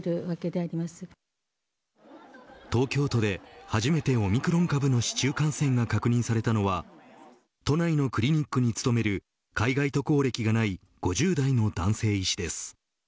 東京都で初めてオミクロン株の市中感染が確認されたのは都内のクリニックに勤める海外渡航歴がない５０代の男性医師です。